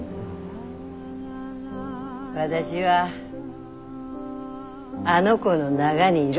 私はあの子の中にいる。